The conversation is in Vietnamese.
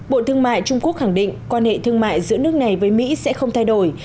bộ thương mại trung quốc khẳng định quan hệ thương mại giữa nước này với mỹ sẽ không thay đổi